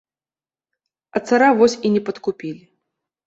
А цара вось і не падкупілі.